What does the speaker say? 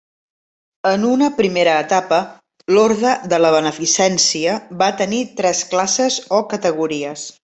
En una primera etapa, l'Orde de la Beneficència va tenir tres classes o categories.